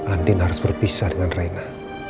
andin harus berpisah dengan raina